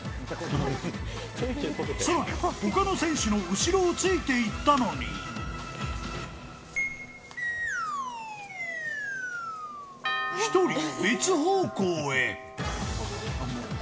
さらに、ほかの選手の後ろをついていったのに、１人、別方向へ。